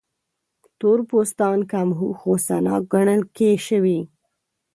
تور پوستان کم هوښ، غوسه ناک ګڼل شول.